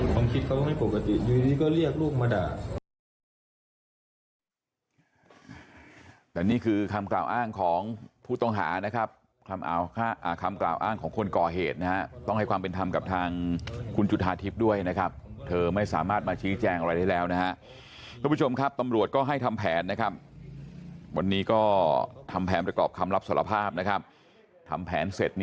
ความคิดเขาไม่ปกติอยู่ดีก็เรียกลูกมาด่า